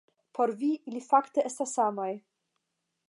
Por vi, ili fakte estas samaj.